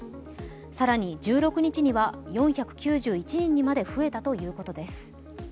更に１６日には４９１人にまで増えたということです。